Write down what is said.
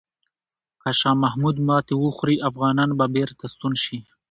که شاه محمود ماتې وخوري، افغانان به بیرته ستون شي.